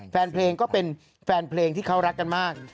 แฟนเพลงก็เป็นแฟนเพลงที่เขารักกันมาก